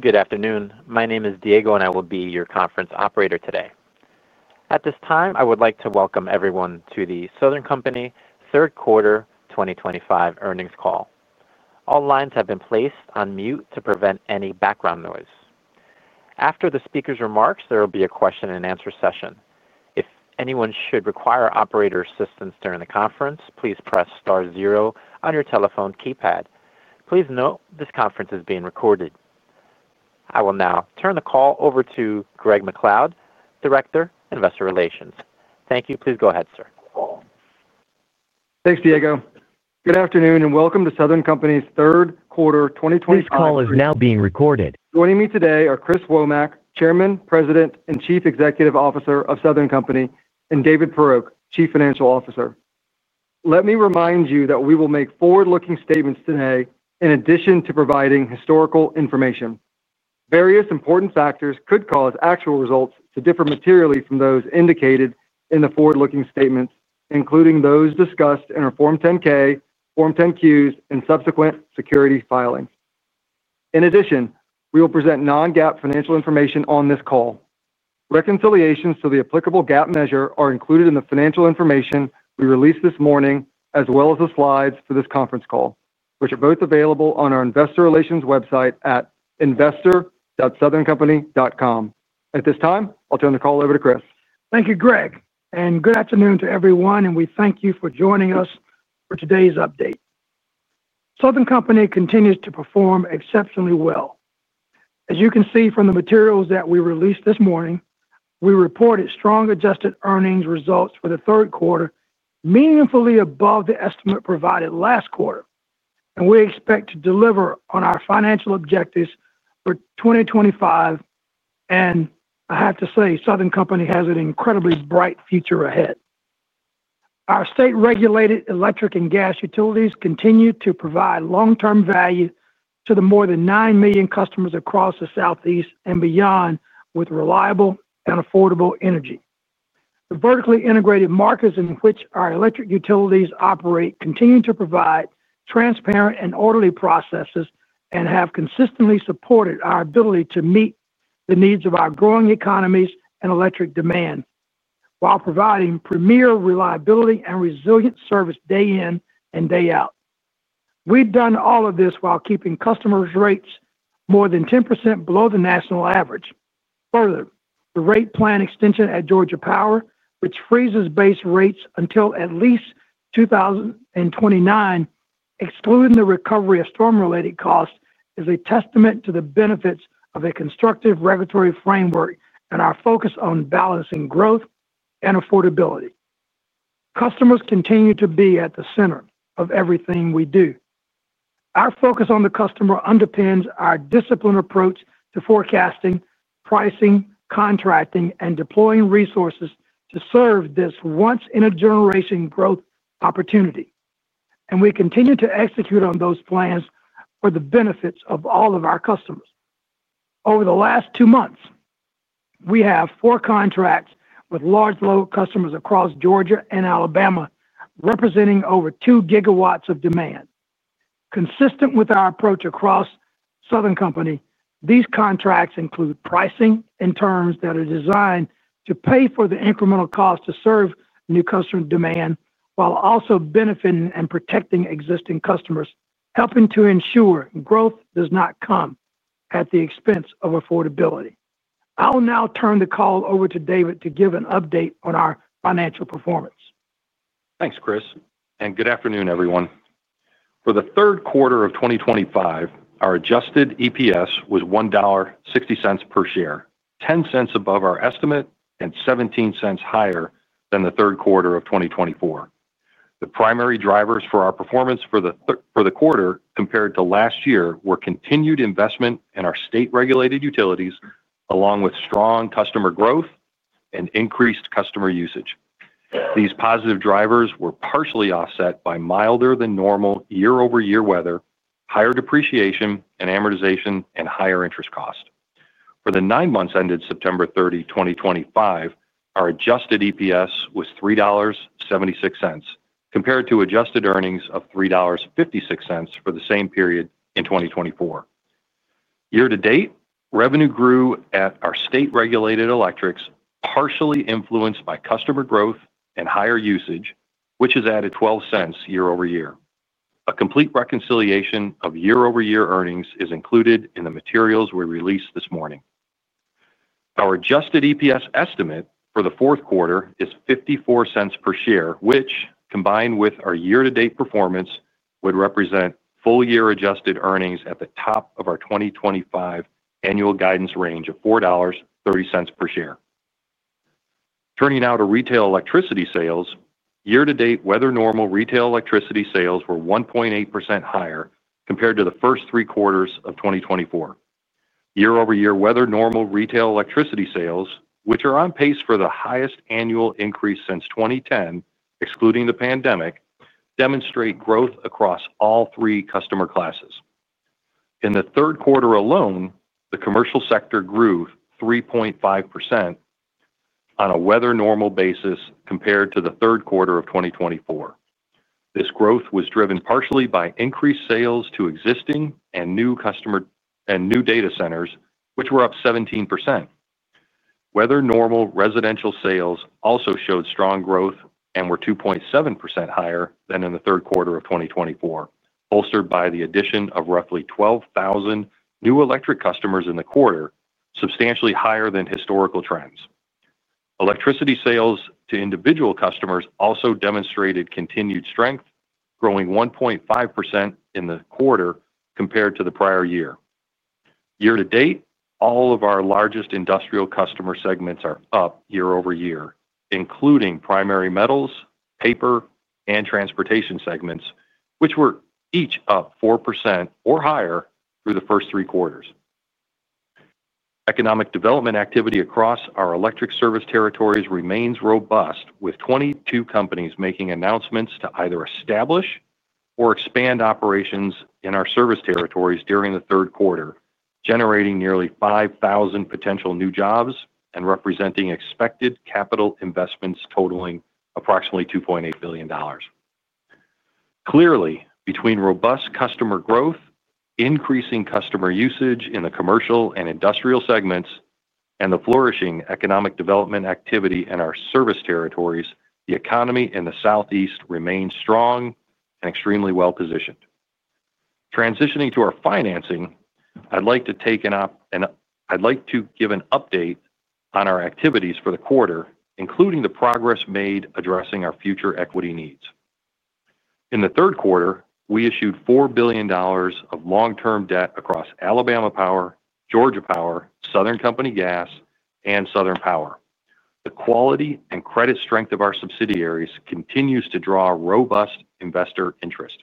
Good afternoon. My name is Diego, and I will be your conference operator today. At this time, I would like to welcome everyone to The Southern Company third quarter 2025 earnings call. All lines have been placed on mute to prevent any background noise. After the speaker's remarks, there will be a question-and-answer session. If anyone should require operator assistance during the conference, please press star zero on your telephone keypad. Please note this conference is being recorded. I will now turn the call over to Greg MacLeod, Director, Investor Relations. Thank you. Please go ahead, sir. Thanks, Diego. Good afternoon and welcome to Southern Company's third quarter 2025. This call is now being recorded. Joining me today are Chris Womack, Chairman, President, and Chief Executive Officer of Southern Company, and David Poroch, Chief Financial Officer. Let me remind you that we will make forward-looking statements today in addition to providing historical information. Various important factors could cause actual results to differ materially from those indicated in the forward-looking statements, including those discussed in our Form 10-K, Form 10-Qs, and subsequent security filings. In addition, we will present non-GAAP financial information on this call. Reconciliations to the applicable GAAP measure are included in the financial information we released this morning, as well as the slides for this conference call, which are both available on our Investor Relations website at investor.southerncompany.com. At this time, I'll turn the call over to Chris. Thank you, Greg. Good afternoon to everyone, and we thank you for joining us for today's update. Southern Company continues to perform exceptionally well. As you can see from the materials that we released this morning, we reported strong adjusted earnings results for the third quarter, meaningfully above the estimate provided last quarter. We expect to deliver on our financial objectives for 2025. I have to say, Southern Company has an incredibly bright future ahead. Our state-regulated electric and gas utilities continue to provide long-term value to the more than 9 million customers across the Southeast and beyond with reliable and affordable energy. The vertically integrated markets in which our electric utilities operate continue to provide transparent and orderly processes and have consistently supported our ability to meet the needs of our growing economies and electric demand while providing premier reliability and resilient service day in and day out. We've done all of this while keeping customers' rates more than 10% below the national average. Further, the rate plan extension at Georgia Power, which freezes base rates until at least 2029, excluding the recovery of storm-related costs, is a testament to the benefits of a constructive regulatory framework and our focus on balancing growth and affordability. Customers continue to be at the center of everything we do. Our focus on the customer underpins our disciplined approach to forecasting, pricing, contracting, and deploying resources to serve this once-in-a-generation growth opportunity. We continue to execute on those plans for the benefits of all of our customers. Over the last two months, we have four contracts with large local customers across Georgia and Alabama representing over 2 gigawatts of demand. Consistent with our approach across Southern Company, these contracts include pricing and terms that are designed to pay for the incremental cost to serve new customer demand while also benefiting and protecting existing customers, helping to ensure growth does not come at the expense of affordability. I'll now turn the call over to David to give an update on our financial performance. Thanks, Chris. Good afternoon, everyone. For the third quarter of 2025, our adjusted EPS was $1.60 per share, $0.10 above our estimate and $0.17 higher than the third quarter of 2024. The primary drivers for our performance for the quarter compared to last year were continued investment in our state-regulated utilities, along with strong customer growth and increased customer usage. These positive drivers were partially offset by milder-than-normal year-over-year weather, higher depreciation, amortization, and higher interest cost. For the nine months ended September 30, 2025, our adjusted EPS was $3.76 compared to adjusted earnings of $3.56 for the same period in 2024. Year-to-date, revenue grew at our state-regulated electrics, partially influenced by customer growth and higher usage, which has added $0.12 year-over-year. A complete reconciliation of year-over-year earnings is included in the materials we released this morning. Our adjusted EPS estimate for the fourth quarter is $0.54 per share, which, combined with our year-to-date performance, would represent full-year adjusted earnings at the top of our 2025 annual guidance range of $4.30 per share. Turning now to retail electricity sales, year-to-date, weather-normal retail electricity sales were 1.8% higher compared to the first three quarters of 2024. Year-over-year weather-normal retail electricity sales, which are on pace for the highest annual increase since 2010, excluding the pandemic, demonstrate growth across all three customer classes. In the third quarter alone, the commercial sector grew 3.5% on a weather-normal basis compared to the third quarter of 2024. This growth was driven partially by increased sales to existing and new data centers, which were up 17%. Weather-normal residential sales also showed strong growth and were 2.7% higher than in the third quarter of 2024, bolstered by the addition of roughly 12,000 new electric customers in the quarter, substantially higher than historical trends. Electricity sales to individual customers also demonstrated continued strength, growing 1.5% in the quarter compared to the prior year. Year-to-date, all of our largest industrial customer segments are up year-over-year, including primary metals, paper, and transportation segments, which were each up 4% or higher through the first three quarters. Economic development activity across our electric service territories remains robust, with 22 companies making announcements to either establish or expand operations in our service territories during the third quarter, generating nearly 5,000 potential new jobs and representing expected capital investments totaling approximately $2.8 billion. Clearly, between robust customer growth, increasing customer usage in the commercial and industrial segments, and the flourishing economic development activity in our service territories, the economy in the Southeast remains strong and extremely well-positioned. Transitioning to our financing, I'd like to give an update on our activities for the quarter, including the progress made addressing our future equity needs. In the third quarter, we issued $4 billion of long-term debt across Alabama Power, Georgia Power, Southern Company Gas, and Southern Power. The quality and credit strength of our subsidiaries continues to draw robust investor interest.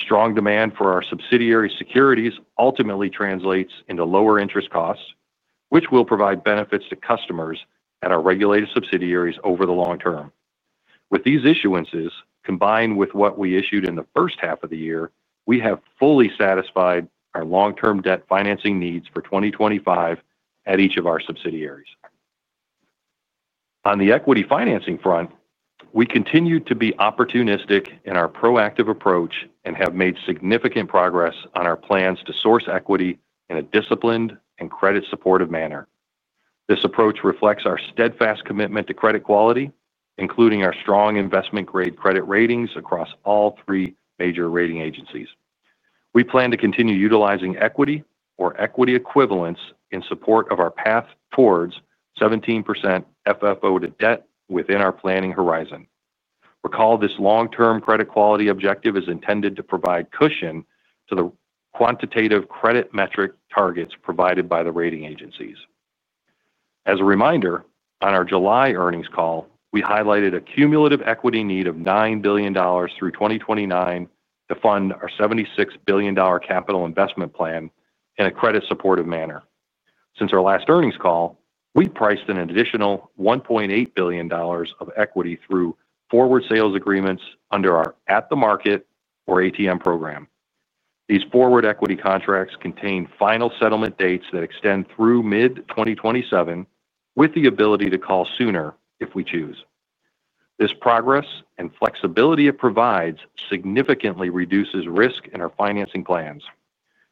Strong demand for our subsidiary securities ultimately translates into lower interest costs, which will provide benefits to customers and our regulated subsidiaries over the long term. With these issuances, combined with what we issued in the first half of the year, we have fully satisfied our long-term debt financing needs for 2025 at each of our subsidiaries. On the equity financing front, we continue to be opportunistic in our proactive approach and have made significant progress on our plans to source equity in a disciplined and credit-supportive manner. This approach reflects our steadfast commitment to credit quality, including our strong investment-grade credit ratings across all three major rating agencies. We plan to continue utilizing equity or equity equivalents in support of our path towards 17% FFO to debt within our planning horizon. Recall this long-term credit quality objective is intended to provide cushion to the quantitative credit metric targets provided by the rating agencies. As a reminder, on our July earnings call, we highlighted a cumulative equity need of $9 billion through 2029 to fund our $76 billion capital investment plan in a credit-supportive manner. Since our last earnings call, we priced in an additional $1.8 billion of equity through forward sales agreements under our At the Market or ATM program. These forward equity contracts contain final settlement dates that extend through mid-2027, with the ability to call sooner if we choose. This progress and flexibility it provides significantly reduces risk in our financing plans.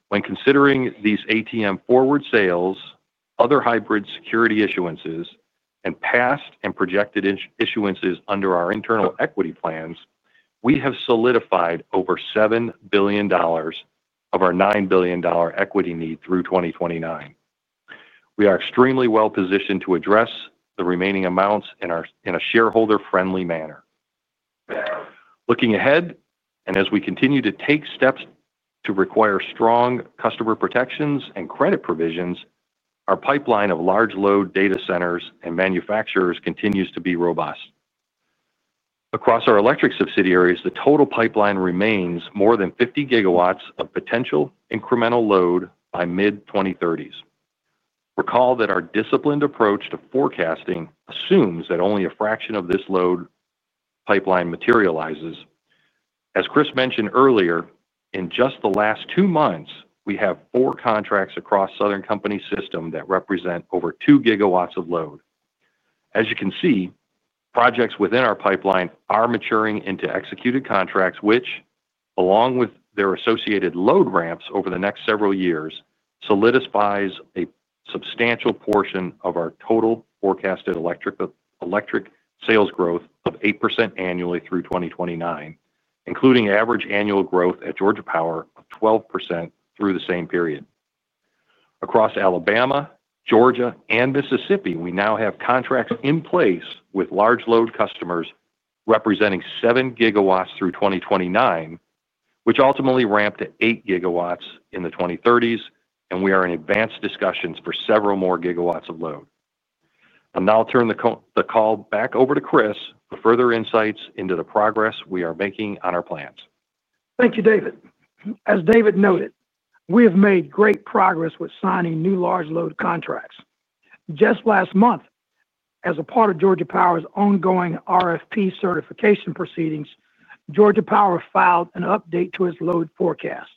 When considering these ATM forward sales, other hybrid security issuances, and past and projected issuances under our internal equity plans, we have solidified over $7 billion of our $9 billion equity need through 2029. We are extremely well-positioned to address the remaining amounts in a shareholder-friendly manner. Looking ahead and as we continue to take steps to require strong customer protections and credit provisions, our pipeline of large load data centers and manufacturers continues to be robust. Across our electric subsidiaries, the total pipeline remains more than 50 gigawatts of potential incremental load by mid-2030s. Recall that our disciplined approach to forecasting assumes that only a fraction of this load pipeline materializes. As Chris mentioned earlier, in just the last two months, we have four contracts across Southern Company's system that represent over 2 gigawatts of load. As you can see, projects within our pipeline are maturing into executed contracts, which, along with their associated load ramps over the next several years, solidifies a substantial portion of our total forecasted electric sales growth of 8% annually through 2029, including average annual growth at Georgia Power of 12% through the same period. Across Alabama, Georgia, and Mississippi, we now have contracts in place with large load customers representing 7 gigawatts through 2029, which ultimately ramped to 8 gigawatts in the 2030s, and we are in advanced discussions for several more gigawatts of load. I'll turn the call back over to Chris for further insights into the progress we are making on our plans. Thank you, David. As David noted, we have made great progress with signing new large load contracts. Just last month, as a part of Georgia Power's ongoing RFP certification proceedings, Georgia Power filed an update to its load forecast.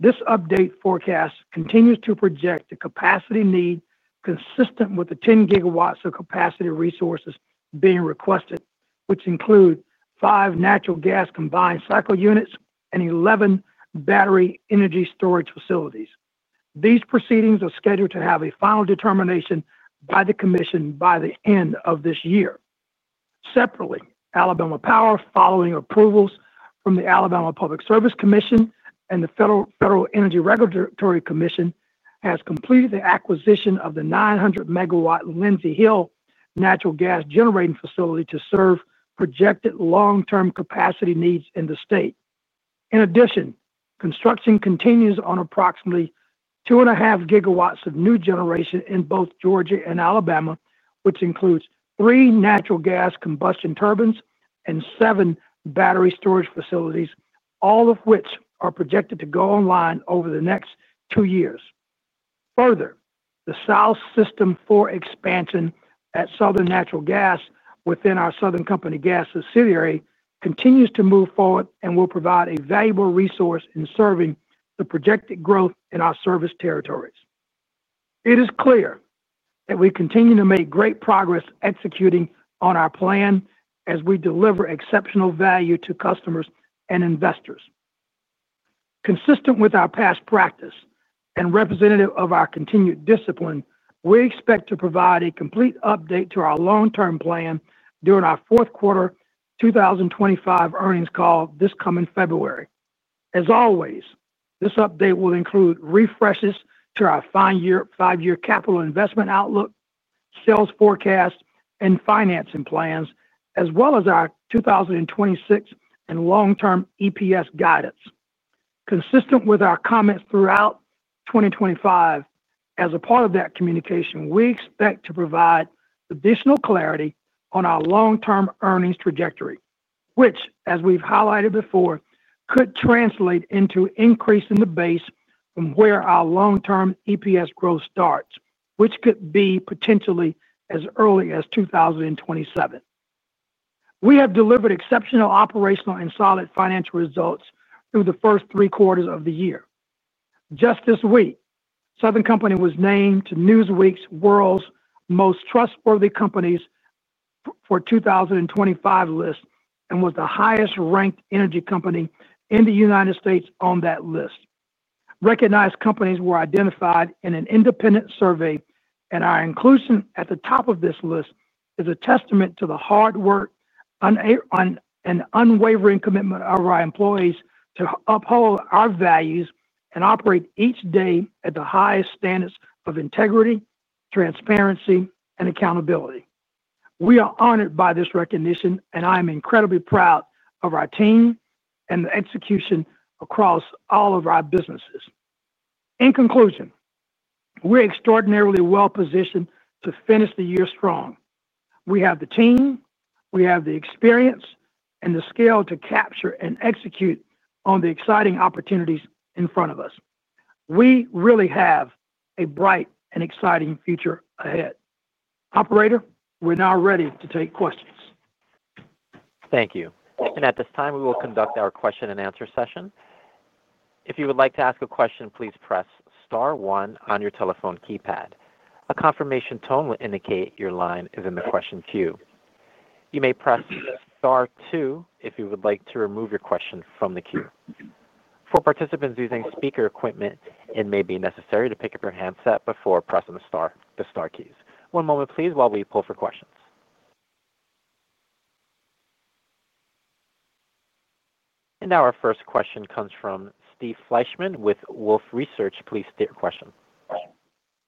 This update forecast continues to project the capacity need consistent with the 10 gigawatts of capacity resources being requested, which include five natural gas combined cycle units and 11 battery energy storage facilities. These proceedings are scheduled to have a final determination by the Commission by the end of this year. Separately, Alabama Power, following approvals from the Alabama Public Service Commission and the Federal Energy Regulatory Commission, has completed the acquisition of the 900-megawatt Lindsay Hill natural gas generating facility to serve projected long-term capacity needs in the state. In addition, construction continues on approximately 2.5 gigawatts of new generation in both Georgia and Alabama, which includes three natural gas combustion turbines and seven battery storage facilities, all of which are projected to go online over the next two years. Further, the South System 4 expansion at Southern Natural Gas within our Southern Company Gas subsidiary continues to move forward and will provide a valuable resource in serving the projected growth in our service territories. It is clear that we continue to make great progress executing on our plan as we deliver exceptional value to customers and investors. Consistent with our past practice and representative of our continued discipline, we expect to provide a complete update to our long-term plan during our fourth quarter 2025 earnings call this coming February. As always, this update will include refreshes to our five-year capital investment outlook, sales forecast, and financing plans, as well as our 2026 and long-term EPS guidance. Consistent with our comments throughout 2025, as a part of that communication, we expect to provide additional clarity on our long-term earnings trajectory, which, as we've highlighted before, could translate into increasing the base from where our long-term EPS growth starts, which could be potentially as early as 2027. We have delivered exceptional operational and solid financial results through the first three quarters of the year. Just this week, Southern Company was named to Newsweek's World’s Most Trustworthy Companies 2025 list and was the highest-ranked energy company in the United States on that list. Recognized companies were identified in an independent survey, and our inclusion at the top of this list is a testament to the hard work and unwavering commitment of our employees to uphold our values and operate each day at the highest standards of integrity, transparency, and accountability. We are honored by this recognition, and I am incredibly proud of our team and the execution across all of our businesses. In conclusion, we're extraordinarily well-positioned to finish the year strong. We have the team, we have the experience, and the skill to capture and execute on the exciting opportunities in front of us. We really have a bright and exciting future ahead. Operator, we're now ready to take questions. Thank you. At this time, we will conduct our question-and-answer session. If you would like to ask a question, please press Star 1 on your telephone keypad. A confirmation tone will indicate your line is in the question queue. You may press Star 2 if you would like to remove your question from the queue. For participants using speaker equipment, it may be necessary to pick up your handset before pressing the Star keys. One moment, please, while we pull for questions. Our first question comes from Steven Isaac Fleishman with Wolfe Research. Please state your question.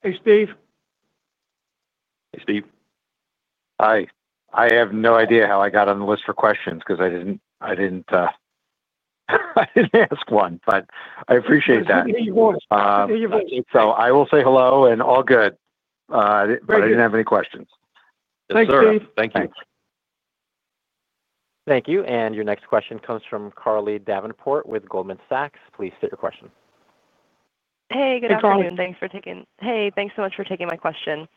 Hey, Steve. Hey, Steve. I have no idea how I got on the list for questions because I didn't ask one, but I appreciate that. I appreciate your voice. I will say hello and all good. I didn't have any questions. Thanks, Steve. Thank you. Thank you. Your next question comes from Carly S. Davenport with Goldman Sachs. Please state your question. Hey, good afternoon. Thanks so much for taking my question.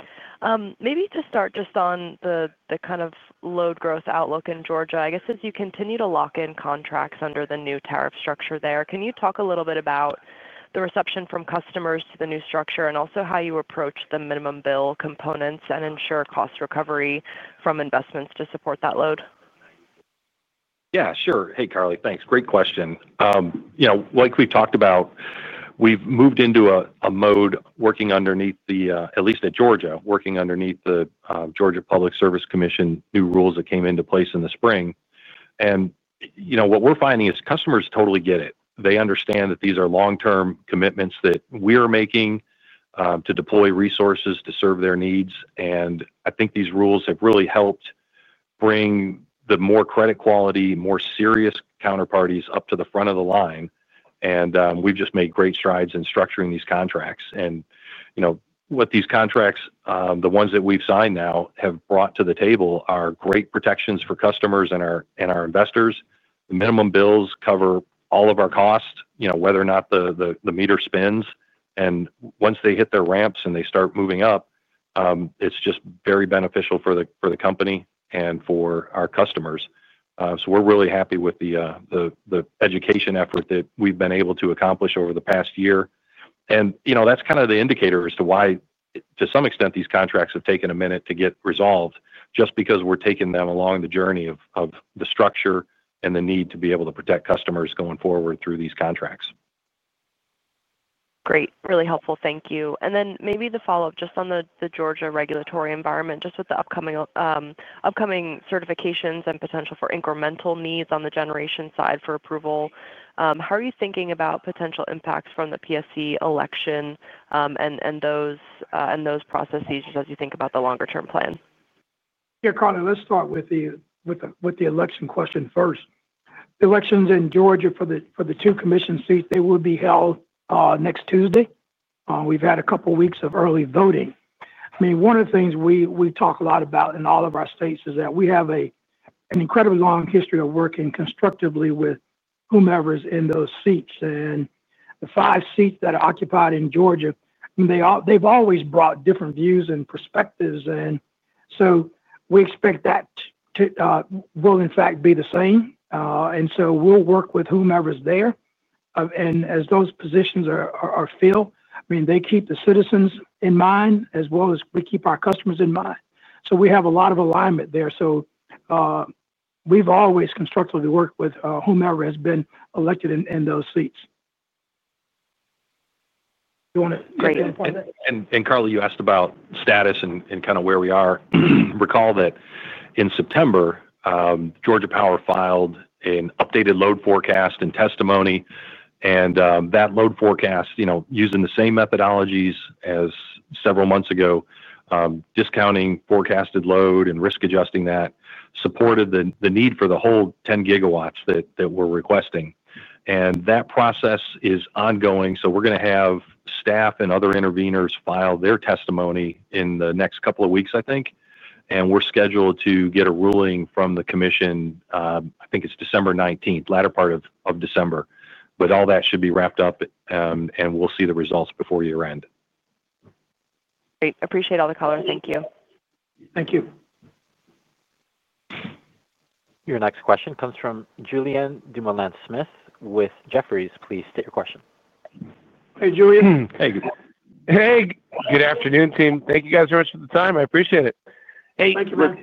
Maybe to start just on the kind of load growth outlook in Georgia, I guess as you continue to lock in contracts under the new tariff structure there, can you talk a little bit about the reception from customers to the new structure and also how you approach the minimum bill components and ensure cost recovery from investments to support that load? Yeah, sure. Hey, Carly, thanks. Great question. Like we've talked about, we've moved into a mode working underneath, at least at Georgia, working underneath the Georgia Public Service Commission new rules that came into place in the spring. What we're finding is customers totally get it. They understand that these are long-term commitments that we are making to deploy resources to serve their needs. I think these rules have really helped bring the more credit-quality, more serious counterparties up to the front of the line. We've just made great strides in structuring these contracts. What these contracts, the ones that we've signed now, have brought to the table are great protections for customers and our investors. The minimum bills cover all of our costs, whether or not the meter spins. Once they hit their ramps and they start moving up, it's just very beneficial for the company and for our customers. We're really happy with the education effort that we've been able to accomplish over the past year. That's kind of the indicator as to why, to some extent, these contracts have taken a minute to get resolved, just because we're taking them along the journey of the structure and the need to be able to protect customers going forward through these contracts. Great. Really helpful. Thank you. Maybe the follow-up just on the Georgia regulatory environment, just with the upcoming certifications and potential for incremental needs on the generation side for approval. How are you thinking about potential impacts from the PSC election and those processes as you think about the longer-term plan? Yeah, Carly, let's start with the election question first. Elections in Georgia for the two commission seats will be held next Tuesday. We've had a couple of weeks of early voting. One of the things we talk a lot about in all of our states is that we have an incredibly long history of working constructively with whomever is in those seats. The five seats that are occupied in Georgia have always brought different views and perspectives. We expect that will, in fact, be the same. We'll work with whomever is there. As those positions are filled, they keep the citizens in mind as well as we keep our customers in mind. We have a lot of alignment there. We've always constructively worked with whomever has been elected in those seats. Do you want to take that apart? Carly, you asked about status and kind of where we are. Recall that in September, Georgia Power filed an updated load forecast and testimony. That load forecast, using the same methodologies as several months ago, discounting forecasted load and risk-adjusting that, supported the need for the whole 10 gigawatts that we're requesting. That process is ongoing. We are going to have staff and other interveners file their testimony in the next couple of weeks, I think. We are scheduled to get a ruling from the commission, I think it's December 19th, latter part of December. All that should be wrapped up, and we'll see the results before year-end. Great. Appreciate all the color. Thank you. Thank you. Your next question comes from Julien Patrick Dumoulin-Smith with Jefferies LLC. Please state your question. Hey, Julian. Hey. Good afternoon, team. Thank you guys very much for the time. I appreciate it. Hey, look.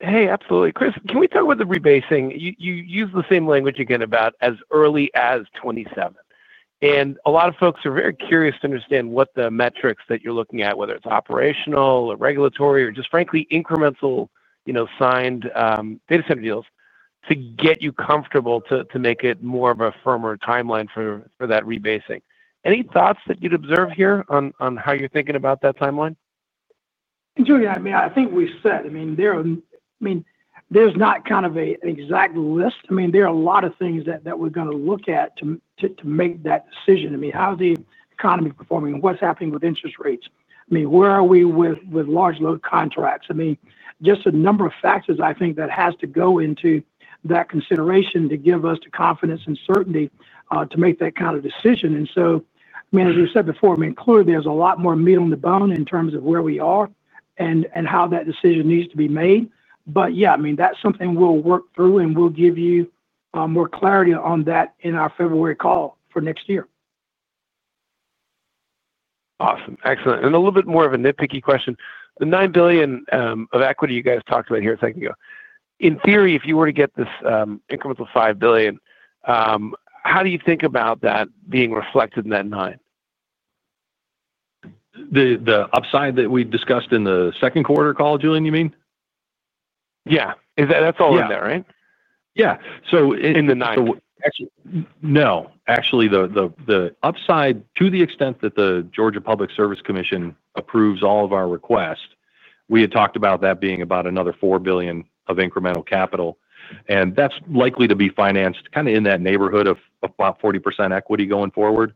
Hey, absolutely. Chris, can we talk about the rebasing? You used the same language again about as early as 2027. A lot of folks are very curious to understand what the metrics that you're looking at, whether it's operational or regulatory or just frankly incremental. Signed data center deals to get you comfortable to make it more of a firmer timeline for that rebasing. Any thoughts that you'd observe here on how you're thinking about that timeline? Julien, I think we said, there's not kind of an exact list. There are a lot of things that we're going to look at to make that decision. How's the economy performing? What's happening with interest rates? Where are we with large load contracts? Just a number of factors that have to go into that consideration to give us the confidence and certainty to make that kind of decision. As we said before, clearly, there's a lot more meat on the bone in terms of where we are and how that decision needs to be made. That's something we'll work through, and we'll give you more clarity on that in our February call for next year. Excellent. A little bit more of a nitpicky question. The $9 billion of equity you guys talked about here a second ago, in theory, if you were to get this incremental $5 billion, how do you think about that being reflected in that $9 billion? The upside that we discussed in the second quarter call, Julien, you mean? Yeah, that's all in there, right? Yeah. Yeah, in the 9. No. Actually, the upside, to the extent that the Georgia Public Service Commission approves all of our request, we had talked about that being about another $4 billion of incremental capital. That's likely to be financed kind of in that neighborhood of about 40% equity going forward.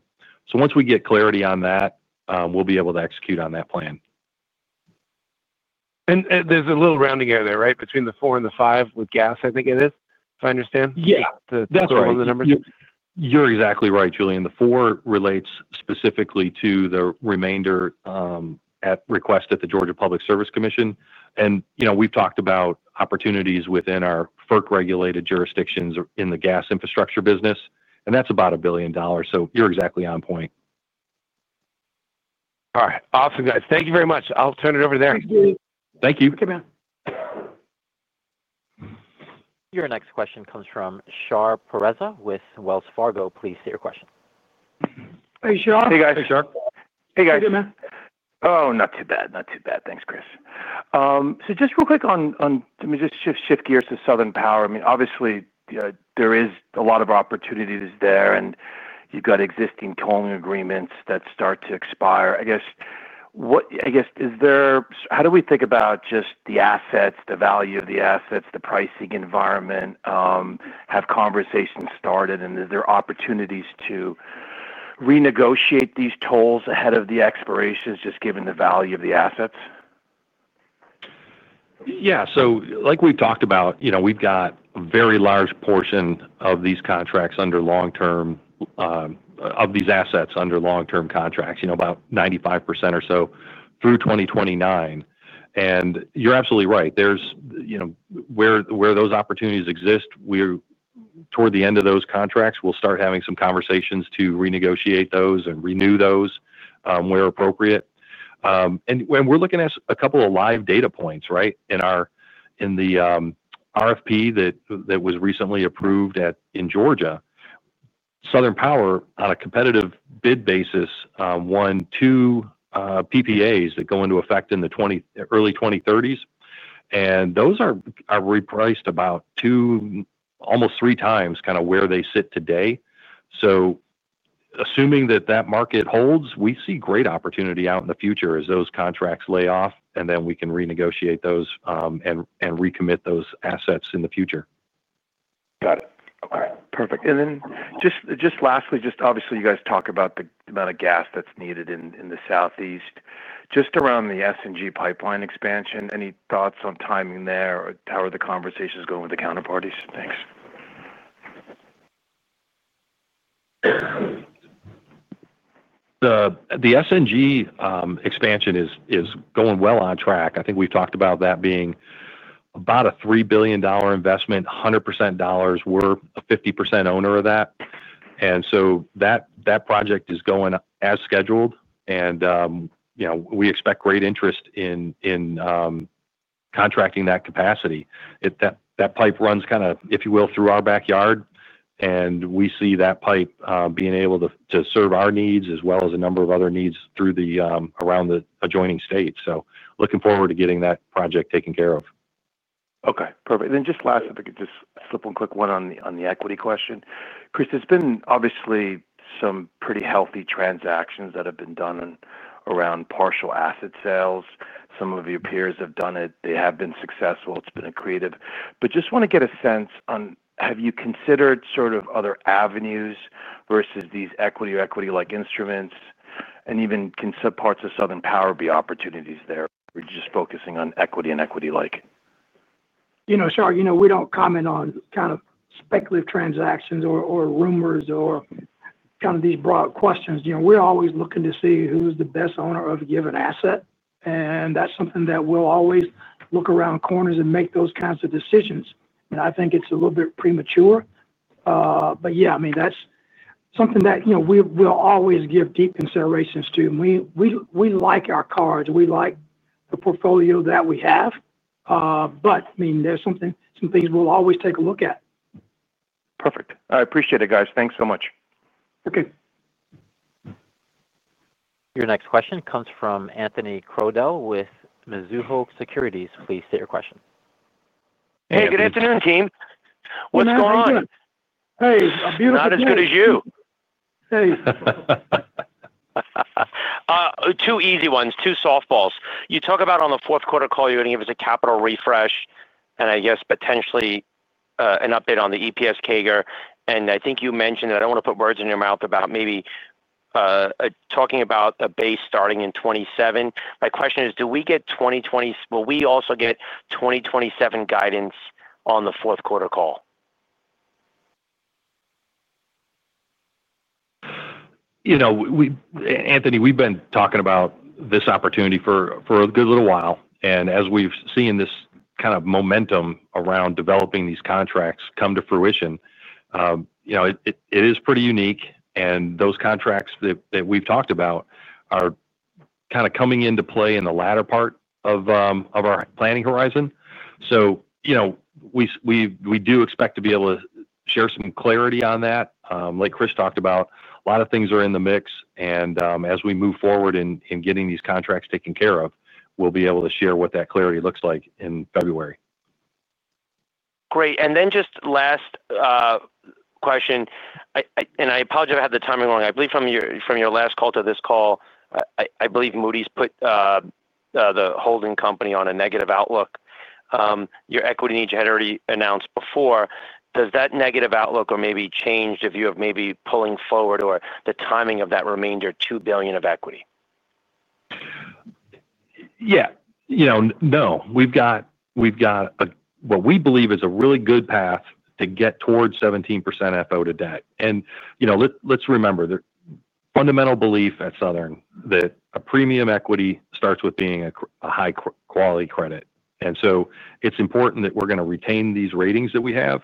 Once we get clarity on that, we'll be able to execute on that plan. There's a little rounding area there, right, between the 4 and the 5 with gas, I think it is, if I understand. Yeah. To throw in the numbers. You're exactly right, Julien. The 4 relates specifically to the remainder at request at the Georgia Public Service Commission. We've talked about opportunities within our FERC-regulated jurisdictions in the gas infrastructure business, and that's about $1 billion. You're exactly on point. All right. Awesome, guys. Thank you very much. I'll turn it over there. Thank you. Thank you. Okay, man. Your next question comes from Shar Pourreza [Analyst, Wells Fargo Securities] Please state your question. Hey, Shar. Hey, guys. Hey, Shar. Hey, guys. Hey, man. Oh, not too bad. Not too bad. Thanks, Chris. Just real quick, let me shift gears to Southern Power. I mean, obviously, there is a lot of opportunities there, and you've got existing tolling agreements that start to expire. I guess, is there—how do we think about just the assets, the value of the assets, the pricing environment? Have conversations started? Is there opportunities to renegotiate these tolls ahead of the expirations, just given the value of the assets? Yeah. Like we've talked about, we've got a very large portion of these assets under long-term contracts, about 95% or so through 2029. You're absolutely right. Where those opportunities exist, toward the end of those contracts, we'll start having some conversations to renegotiate those and renew those where appropriate. We're looking at a couple of live data points, right, in the RFP that was recently approved in Georgia. Southern Power, on a competitive bid basis, won two PPAs that go into effect in the early 2030s. Those are repriced about almost three times kind of where they sit today. Assuming that that market holds, we see great opportunity out in the future as those contracts lay off, and then we can renegotiate those and recommit those assets in the future. Got it. Okay. Perfect. Lastly, obviously, you guys talk about the amount of gas that's needed in the Southeast, just around the SNG pipeline expansion. Any thoughts on timing there? How are the conversations going with the counterparties? Thanks. The S&G expansion is going well on track. I think we've talked about that being about a $3 billion investment, 100% dollars. We're a 50% owner of that, and that project is going as scheduled. We expect great interest in contracting that capacity. That pipe runs, if you will, through our backyard, and we see that pipe being able to serve our needs as well as a number of other needs around the adjoining states. Looking forward to getting that project taken care of. Okay. Perfect. Just last, if I could just slip and click one on the equity question. Chris, there's been obviously some pretty healthy transactions that have been done around partial asset sales. Some of your peers have done it. They have been successful. It's been accretive. Just want to get a sense on, have you considered sort of other avenues versus these equity or equity-like instruments? Even can parts of Southern Power be opportunities there? We're just focusing on equity and equity-like. Shar, we don't comment on kind of speculative transactions or rumors or these broad questions. We're always looking to see who's the best owner of a given asset. That's something that we'll always look around corners and make those kinds of decisions. I think it's a little bit premature. Yeah, that's something that we'll always give deep considerations to. We like our cards. We like the portfolio that we have. There are some things we'll always take a look at. Perfect. I appreciate it, guys. Thanks so much. Okay. Your next question comes from Anthony Christopher Crowdell [Analyst, MIzuho Securities USA LLC] Please state your question. Hey, good afternoon, team. What's going on? Hey, a beautiful day. Not as good as you. Hey. Two easy ones, two softballs. You talk about on the fourth quarter call, you're going to give us a capital refresh and, I guess, potentially an update on the EPS CAGR. I think you mentioned that I don't want to put words in your mouth about maybe talking about a base starting in 2027. My question is, do we get 2027 guidance on the fourth quarter call? Anthony, we've been talking about this opportunity for a good little while. As we've seen this kind of momentum around developing these contracts come to fruition, it is pretty unique. Those contracts that we've talked about are kind of coming into play in the latter part of our planning horizon. We do expect to be able to share some clarity on that. Like Chris talked about, a lot of things are in the mix. As we move forward in getting these contracts taken care of, we'll be able to share what that clarity looks like in February. Great. Just last question. I apologize if I had the timing wrong. I believe from your last call to this call, I believe Moody's put the holding company on a negative outlook. Your equity needs you had already announced before. Does that negative outlook or maybe change if you have maybe pulling forward or the timing of that remainder $2 billion of equity? Yeah. No, we've got what we believe is a really good path to get towards 17% FFO to debt. Let's remember, the fundamental belief at Southern Company that a premium equity starts with being a high-quality credit. It's important that we're going to retain these ratings that we have.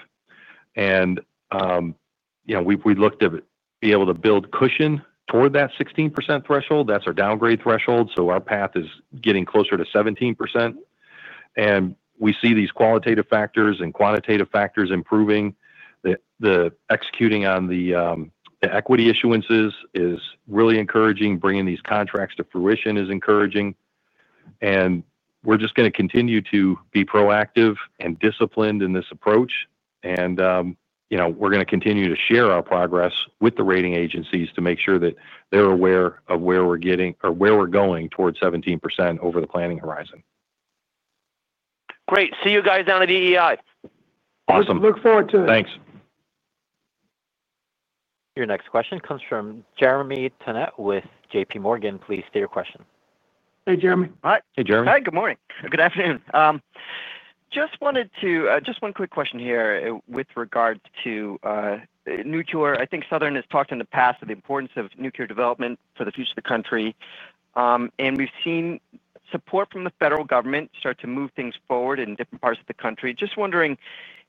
We look to be able to build cushion toward that 16% threshold, that's our downgrade threshold. Our path is getting closer to 17%, and we see these qualitative factors and quantitative factors improving. Executing on the equity issuances is really encouraging. Bringing these contracts to fruition is encouraging. We're just going to continue to be proactive and disciplined in this approach. We're going to continue to share our progress with the rating agencies to make sure that they're aware of where we're getting or where we're going towards 17% over the planning horizon. Great. See you guys down at EEI. Awesome. Look forward to it. Thanks. Your next question comes from Jeremy Tonet [Analyst, JPMorgan Chase & Co.] Please state your question. Hey, Jeremy. Hi. Hey, Jeremy. Hi. Good morning. Good afternoon. Just one quick question here with regard to nuclear. I think Southern has talked in the past of the importance of nuclear development for the future of the country. We've seen support from the federal government start to move things forward in different parts of the country. I'm just wondering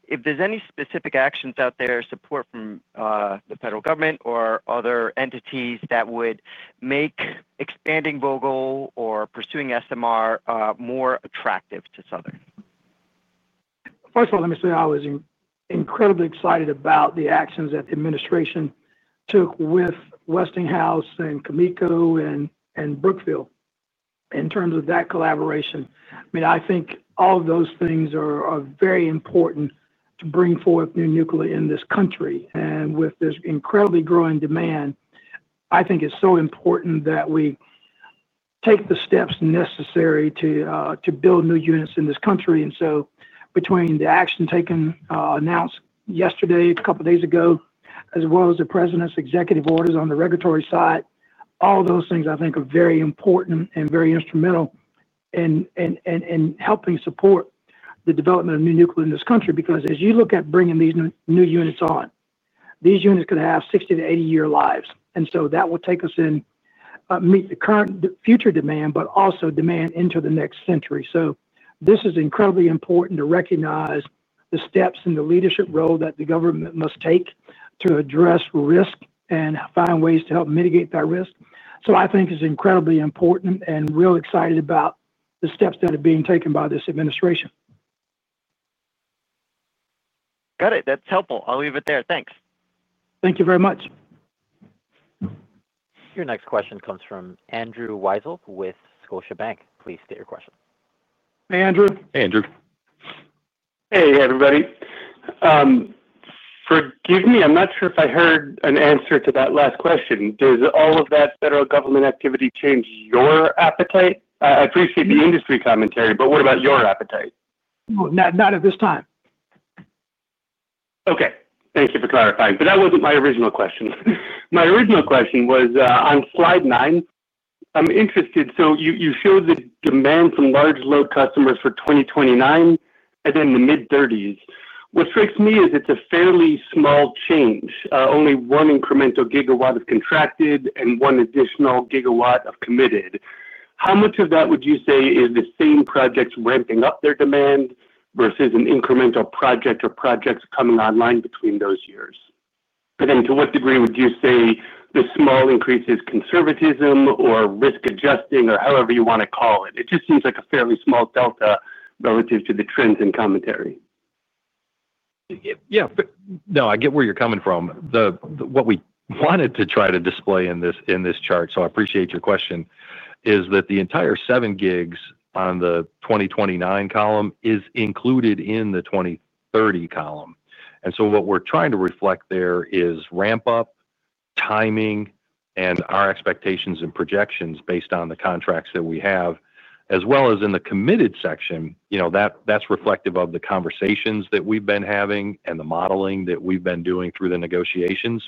if there's any specific actions out there, support from the federal government or other entities that would make expanding Vogtle or pursuing SMR more attractive to Southern? First of all, let me say I was incredibly excited about the actions that the administration took with Westinghouse and Cameco and Brookfield. In terms of that collaboration, I mean, I think all of those things are very important to bring forth new nuclear in this country. With this incredibly growing demand, I think it's so important that we take the steps necessary to build new units in this country. Between the action taken announced yesterday, a couple of days ago, as well as the president's executive orders on the regulatory side, all those things, I think, are very important and very instrumental in helping support the development of new nuclear in this country. As you look at bringing these new units on, these units could have 60 to 80-year lives. That will take us in, meet the current future demand, but also demand into the next century. This is incredibly important to recognize the steps and the leadership role that the government must take to address risk and find ways to help mitigate that risk. I think it's incredibly important and real excited about the steps that are being taken by this administration. Got it. That's helpful. I'll leave it there. Thanks. Thank you very much. Your next question comes from Andrew Marc Weisel with Scotiabank Global Banking and Markets. Please state your question. Hey, Andrew. Hey, Andrew. Hey, everybody. Forgive me, I'm not sure if I heard an answer to that last question. Does all of that federal government activity change your appetite? I appreciate the industry commentary, but what about your appetite? Not at this time. Thank you for clarifying. That wasn't my original question. My original question was on slide nine. I'm interested. You showed the demand from large load customers for 2029 and then the mid-2030s. What strikes me is it's a fairly small change, only one incremental gigawatt of contracted and one additional gigawatt of committed. How much of that would you say is the same projects ramping up their demand versus an incremental project or projects coming online between those years? To what degree would you say the small increase is conservatism or risk adjusting or however you want to call it? It just seems like a fairly small delta relative to the trends in commentary. Yeah. No, I get where you're coming from. What we wanted to try to display in this chart, so I appreciate your question, is that the entire 7 gigawatts on the 2029 column is included in the 2030 column. What we're trying to reflect there is ramp-up timing, and our expectations and projections based on the contracts that we have, as well as in the committed section, that's reflective of the conversations that we've been having and the modeling that we've been doing through the negotiations.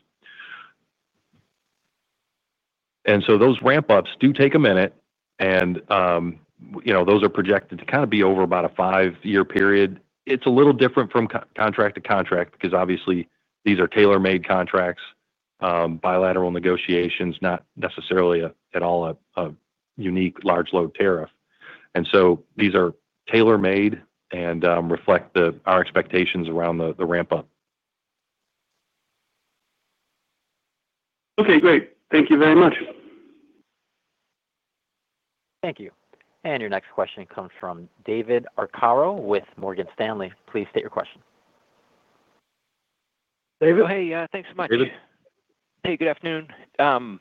Those ramp-ups do take a minute. Those are projected to kind of be over about a five-year period. It's a little different from contract to contract because, obviously, these are tailor-made contracts, bilateral negotiations, not necessarily at all a unique large load tariff. These are tailor-made and reflect our expectations around the ramp-up. Okay. Great. Thank you very much. Thank you. Your next question comes from David Arcaro with Morgan Stanley. Please state your question. David. Hey, thanks so much. Hey. Good afternoon. Looking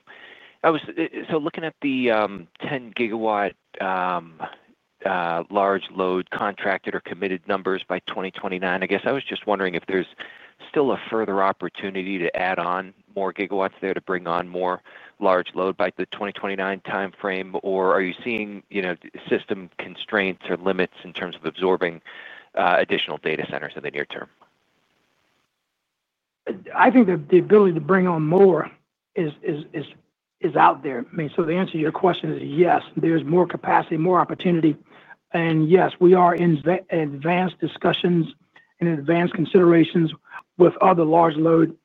at the 10 gigawatt large load contracted or committed numbers by 2029, I guess I was just wondering if there's still a further opportunity to add on more gigawatts there to bring on more large load by the 2029 timeframe, or are you seeing system constraints or limits in terms of absorbing additional data centers in the near term? I think that the ability to bring on more is out there. I mean, the answer to your question is yes, there's more capacity, more opportunity. Yes, we are in advanced discussions and advanced considerations with other large load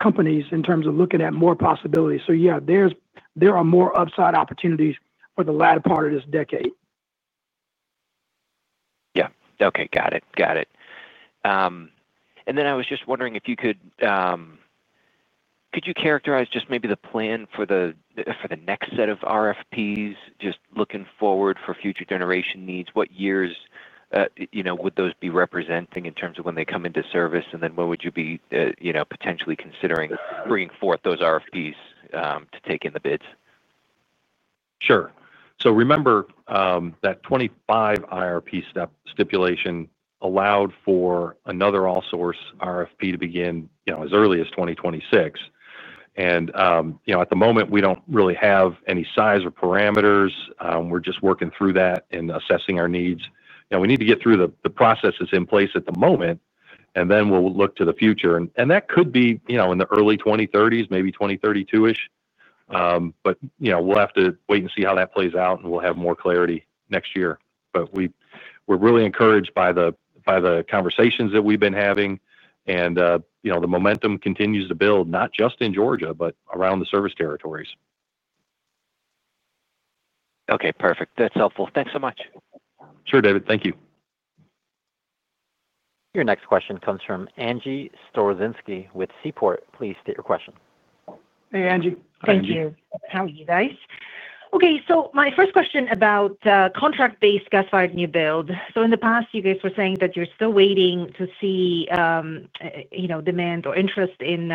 companies in terms of looking at more possibilities. There are more upside opportunities for the latter part of this decade. Okay. Got it. I was just wondering if you could characterize just maybe the plan for the next set of RFPs, just looking forward for future generation needs. What years would those be representing in terms of when they come into service? What would you be potentially considering bringing forth those RFPs to take in the bids? Sure. Remember that 2025 IRP stipulation allowed for another all-source RFP to begin as early as 2026. At the moment, we don't really have any size or parameters. We're just working through that and assessing our needs. We need to get through the processes in place at the moment, then we'll look to the future. That could be in the early 2030s, maybe 2032-ish. We'll have to wait and see how that plays out, and we'll have more clarity next year. We're really encouraged by the conversations that we've been having, and the momentum continues to build, not just in Georgia, but around the service territories. Okay. Perfect. That's helpful. Thanks so much. Sure, David. Thank you. Your next question comes from Agnieszka Anna Storozynski with Seaport. Please state your question. Hey, Angie. Thank you. Thank you. How are you guys? Okay. My first question about contract-based gas fired new build. In the past, you guys were saying that you're still waiting to see demand or interest in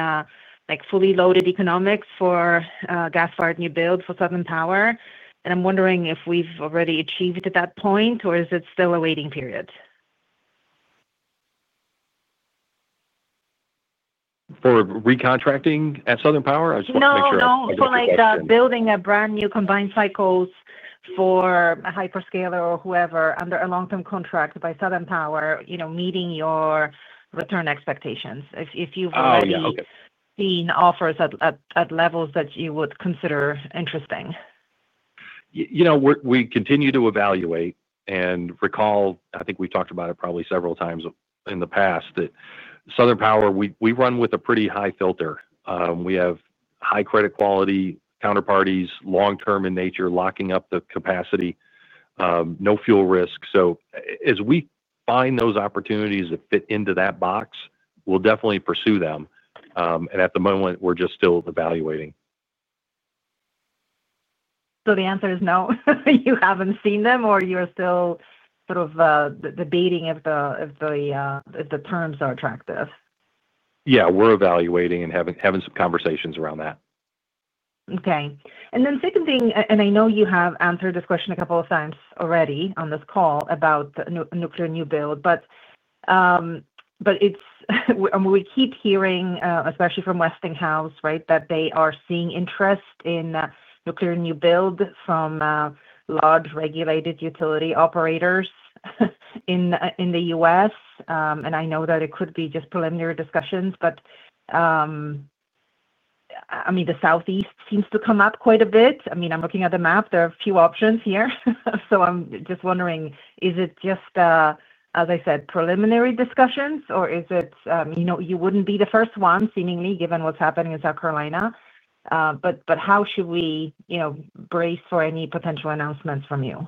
fully loaded economics for gas fired new build for Southern Power. I'm wondering if we've already achieved at that point, or is it still a waiting period? For recontracting at Southern Power? I just wanted to make sure. No, no. It's more like building a brand new combined cycle units for a hyperscaler or whoever under a long-term contract by Southern Power, meeting your return expectations. If you've already. Oh, yeah. Okay. Seen offers at levels that you would consider interesting. We continue to evaluate. I think we've talked about it probably several times in the past, that Southern Power, we run with a pretty high filter. We have high credit quality counterparties, long-term in nature, locking up the capacity. No fuel risk. As we find those opportunities that fit into that box, we'll definitely pursue them. At the moment, we're just still evaluating. The answer is no. You haven't seen them, or you are still sort of debating if the terms are attractive? Yeah, we're evaluating and having some conversations around that. Okay. The second thing, and I know you have answered this question a couple of times already on this call about nuclear new build, we keep hearing, especially from Westinghouse, that they are seeing interest in nuclear new build from large regulated utility operators in the U.S. I know that it could be just preliminary discussions. The Southeast seems to come up quite a bit. I'm looking at the map, there are a few options here. I'm just wondering, is it just, as I said, preliminary discussions, or is it you wouldn't be the first one, seemingly, given what's happening in South Carolina? How should we brace for any potential announcements from you?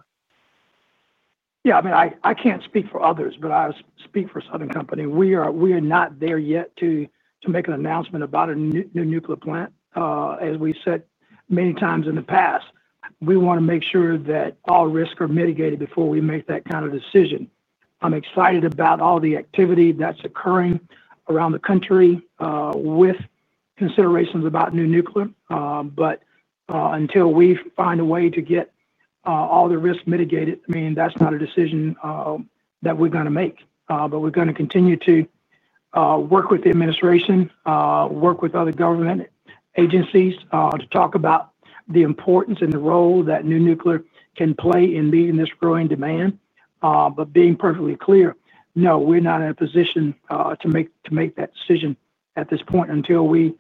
Yeah. I mean, I can't speak for others, but I speak for Southern Company. We are not there yet to make an announcement about a new nuclear plant. As we said many times in the past, we want to make sure that all risks are mitigated before we make that kind of decision. I'm excited about all the activity that's occurring around the country with considerations about new nuclear. Until we find a way to get all the risks mitigated, I mean, that's not a decision that we're going to make. We're going to continue to work with the administration, work with other government agencies to talk about the importance and the role that new nuclear can play in meeting this growing demand. Being perfectly clear, no, we're not in a position to make that decision at this point until we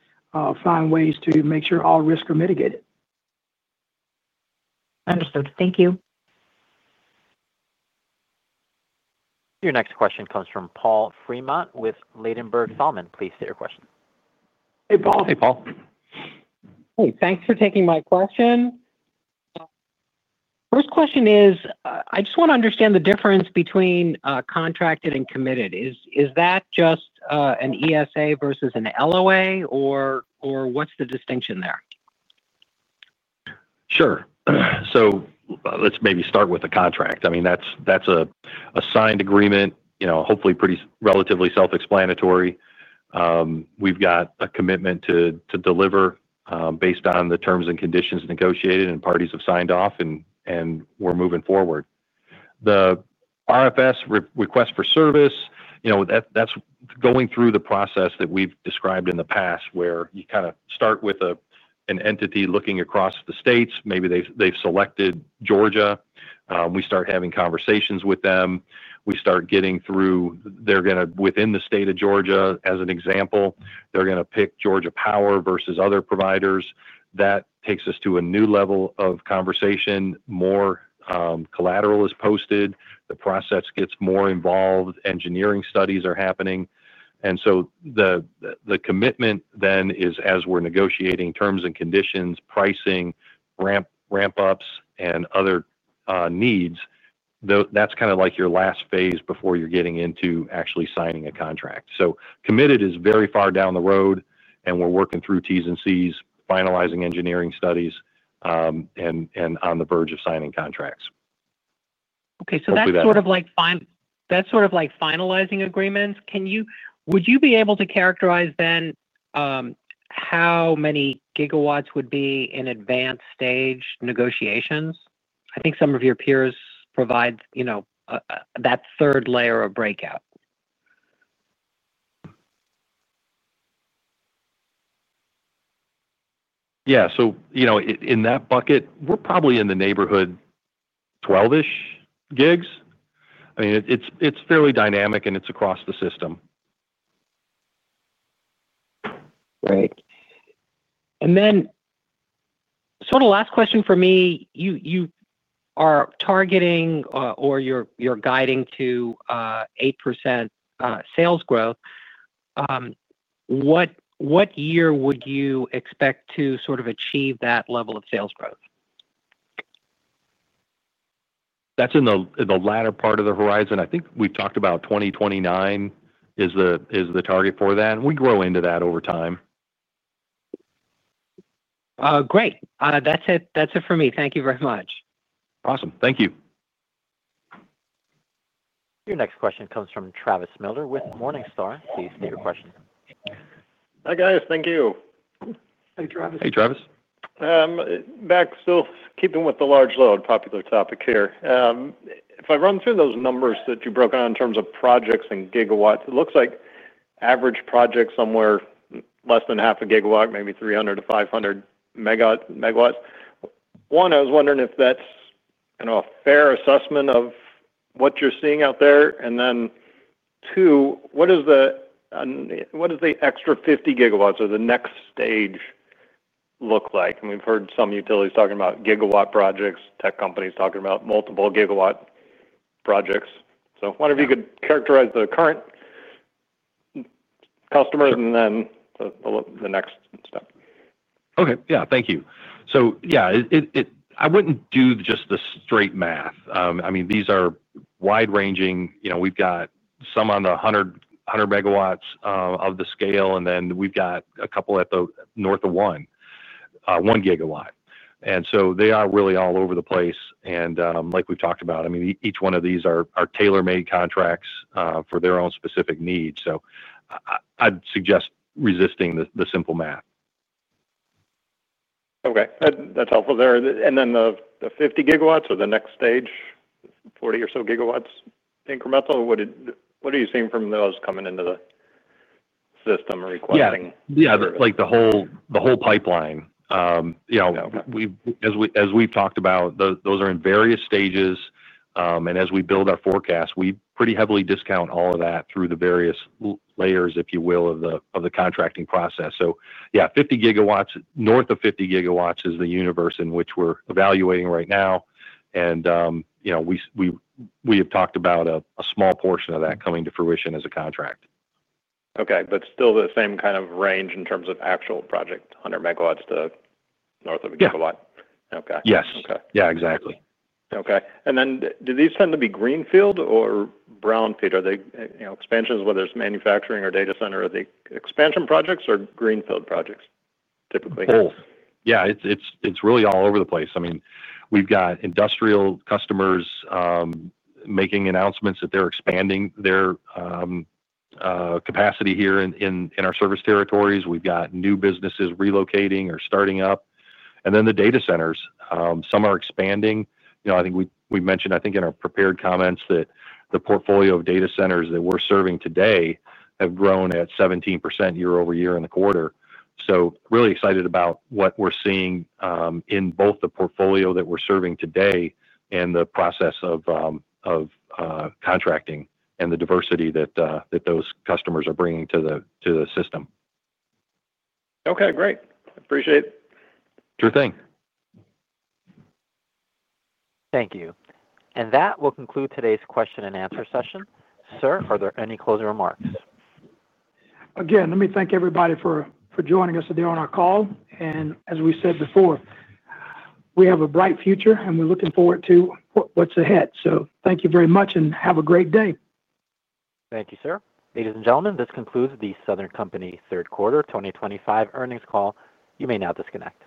find ways to make sure all risks are mitigated. Understood. Thank you. Your next question comes from Paul Fremont with Ladenburg Thalmann. Please state your question. Hey, Paul. Hey, Paul. Hey, thanks for taking my question. First question is, I just want to understand the difference between contracted and committed. Is that just an ESA versus an LOA, or what's the distinction there? Sure. Let's maybe start with the contract. I mean, that's a signed agreement, hopefully pretty relatively self-explanatory. We've got a commitment to deliver based on the terms and conditions negotiated, and parties have signed off, and we're moving forward. The RFS request for service, that's going through the process that we've described in the past, where you kind of start with an entity looking across the states. Maybe they've selected Georgia. We start having conversations with them. We start getting through. Within the state of Georgia, as an example, they're going to pick Georgia Power versus other providers. That takes us to a new level of conversation. More collateral is posted. The process gets more involved. Engineering studies are happening. The commitment then is, as we're negotiating terms and conditions, pricing, ramp-ups, and other needs, that's kind of like your last phase before you're getting into actually signing a contract. Committed is very far down the road, and we're working through T's and C's, finalizing engineering studies, and on the verge of signing contracts. Okay. That's sort of like finalizing agreements. Would you be able to characterize then how many gigawatts would be in advanced stage negotiations? I think some of your peers provide that third layer of breakout. Yeah. In that bucket, we're probably in the neighborhood, 12-ish gigawatts. I mean, it's fairly dynamic, and it's across the system. Right. Sort of last question for me. You are targeting or you're guiding to 8% sales growth. What year would you expect to sort of achieve that level of sales growth? That's in the latter part of the horizon. I think we've talked about 2029 is the target for that. We grow into that over time. Great. That's it for me. Thank you very much. Awesome. Thank you. Your next question comes from Travis Miller with Morningstar. Please state your question. Hi, guys. Thank you. Hey, Travis. Hey, Travis. Still keeping with the large load popular topic here. If I run through those numbers that you broke out in terms of projects and gigawatts, it looks like average projects somewhere less than half a gigawatt, maybe 300 to 500 megawatts. I was wondering if that's a fair assessment of what you're seeing out there. What does the extra 50 gigawatts or the next stage look like? We've heard some utilities talking about gigawatt projects, tech companies talking about multiple gigawatt projects. I wonder if you could characterize the current customers and then the next step. Okay. Yeah. Thank you. I wouldn't do just the straight math. I mean, these are wide-ranging. We've got some on the 100 megawatts of the scale, and then we've got a couple at the north of one, one gigawatt. They are really all over the place. Like we've talked about, each one of these are tailor-made contracts for their own specific needs. I'd suggest resisting the simple math. Okay. That's helpful there. The 50 gigawatts or the next stage, 40 or so gigawatts incremental, what are you seeing from those coming into the system or requesting? Yeah. The whole pipeline, as we've talked about, those are in various stages. As we build our forecast, we pretty heavily discount all of that through the various layers, if you will, of the contracting process. Yeah, 50 gigawatts, north of 50 gigawatts, is the universe in which we're evaluating right now. We have talked about a small portion of that coming to fruition as a contract. Okay. Still the same kind of range in terms of actual project, 100 megawatts to north of a gigawatt? Yeah, yes. Yeah, exactly. Okay. Do these tend to be greenfield or brownfield? Are they expansions, whether it's manufacturing or data center, are they expansion projects or greenfield projects typically? Both. Yeah. It's really all over the place. I mean, we've got industrial customers making announcements that they're expanding their capacity here in our service territories. We've got new businesses relocating or starting up, and the data centers, some are expanding. I think we've mentioned, I think, in our prepared comments that the portfolio of data centers that we're serving today have grown at 17% year over year in the quarter. Really excited about what we're seeing in both the portfolio that we're serving today and the process of contracting and the diversity that those customers are bringing to the system. Okay, great. Appreciate it. Sure thing. Thank you. That will conclude today's question and answer session. Sir, are there any closing remarks? Let me thank everybody for joining us today on our call. As we said before, we have a bright future, and we're looking forward to what's ahead. Thank you very much, and have a great day. Thank you, sir. Ladies and gentlemen, this concludes The Southern Company Third Quarter 2025 earnings call. You may now disconnect.